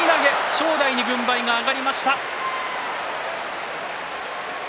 正代に軍配が上がりました。